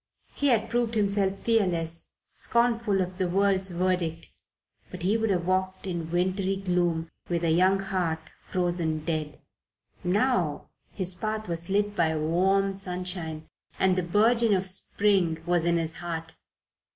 He had proved himself fearless, scornful of the world's verdict. But he would have walked in wintry gloom with a young heart frozen dead. Now his path was lit by warm sunshine and the burgeon of spring was in his heart.